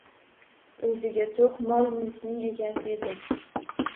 O’ziga to’q, mol-mulkning egasi edi.